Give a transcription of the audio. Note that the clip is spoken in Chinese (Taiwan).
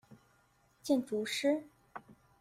建築師